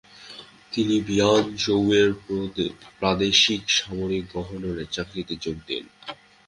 তিনি বিয়ানচৌয়ের প্রাদেশিক সামরিক গভর্নরের চাকরিতে যোগ দেন।